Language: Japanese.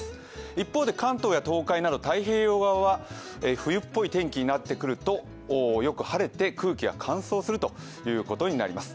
一方で関東や東海など太平洋側は冬っぽい天気になってくるとよく晴れて空気が乾燥するということになります。